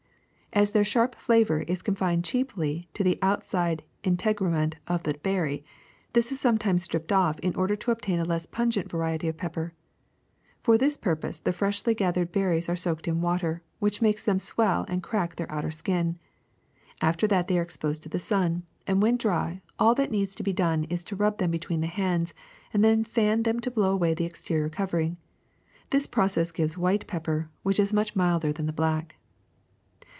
^^As their sharp flavor is chiefly confined to the out side integument of the berry, this is sometimes stripped off in order to obtain a less pungent variety of pepper. For this purpose the freshly gathered berries are soaked in water, which makes them swell and crack their outer skin. After that they are ex posed to the sun and, when dry, all that needs to be done is to rub them be tween the hands and then fan them to blow away the exterior covering. This process gives white pep per, which is much milder than the black.